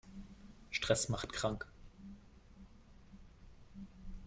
Stress macht krank.